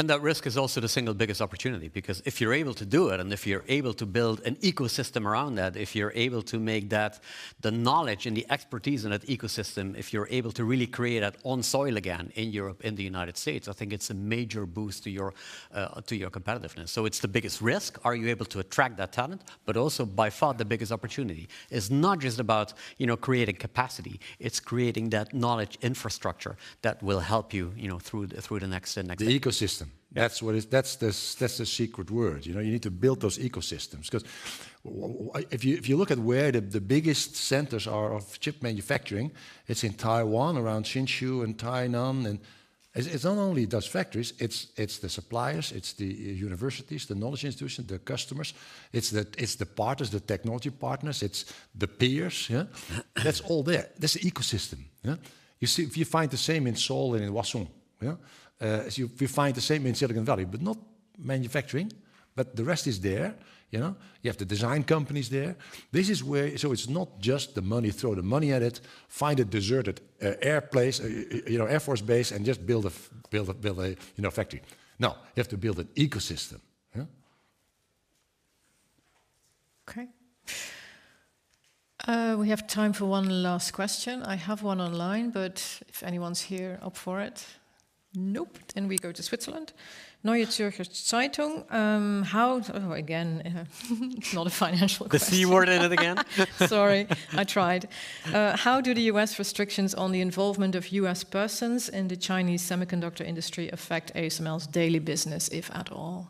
That risk is also the single biggest opportunity because if you're able to do it, and if you're able to build an ecosystem around that, if you're able to make that, the knowledge and the expertise in that ecosystem, if you're able to really create that on soil again in Europe, in the United States, I think it's a major boost to your, to your competitiveness. It's the biggest risk. Are you able to attract that talent? Also, by far, the biggest opportunity. It's not just about, you know, creating capacity. It's creating that knowledge infrastructure that will help you know, through the next and next- The ecosystem. Yeah. That's what That's the secret word, you know? You need to build those ecosystems 'cause if you look at where the biggest centers are of chip manufacturing, it's in Taiwan around Hsinchu and Tainan, and it's not only those factories, it's the suppliers, it's the universities, the knowledge institutions, the customers. It's the partners, the technology partners, it's the peers, yeah? That's all there. That's the ecosystem, yeah? You see, if you find the same in Seoul and in Hwaseong, yeah? if you find the same in Silicon Valley, but not manufacturing, but the rest is there, you know? You have the design companies there. It's not just the money, throw the money at it, find a deserted air place, you know, Air Force base, and just build a factory. No, you have to build an ecosystem, yeah? Okay. We have time for one last question. I have one online, but if anyone's here, up for it? Nope. We go to Switzerland. Neue Zürcher Zeitung. Oh, again, not a financial question. The C word in it again. Sorry. I tried. How do the U.S. restrictions on the involvement of U.S. persons in the Chinese semiconductor industry affect ASML's daily business, if at all?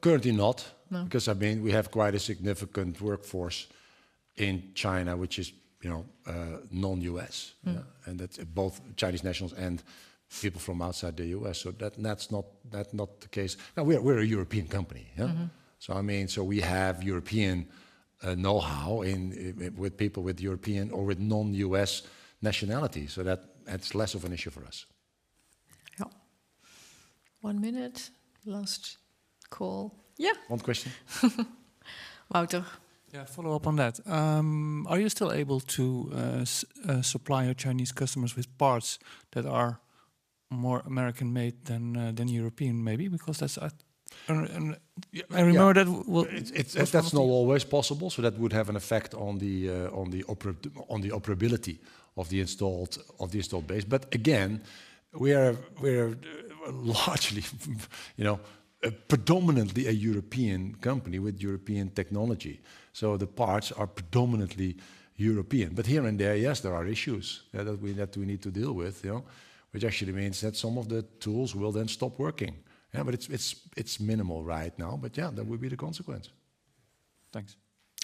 Currently not. No. 'Cause I mean, we have quite a significant workforce in China which is, you know, non-U.S. Mm. That's both Chinese nationals and people from outside the U.S., so that's not, that's not the case. Now, we are, we're a European company, yeah? Mm-hmm. I mean, so we have European know-how in, with people with European or with non-U.S. nationality, so that's less of an issue for us. Yeah. One minute. Last call. Yeah. One question. Wouter. Yeah, follow up on that. Are you still able to supply your Chinese customers with parts that are more American-made than European maybe? Because that's, I remember that. Yeah well, it, That's not always possible, so that would have an effect on the operability of the installed base. Again, we're largely, you know, predominantly a European company with European technology. The parts are predominantly European. Here and there, yes, there are issues that we need to deal with, you know, which actually means that some of the tools will then stop working. It's minimal right now, but that would be the consequence. Thanks.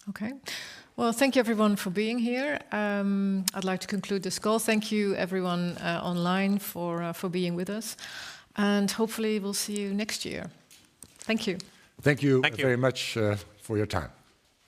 Okay. Well, thank you everyone for being here. I'd like to conclude this call. Thank you everyone online for for being with us, and hopefully we'll see you next year. Thank you. Thank you. Thank you. very much for your time.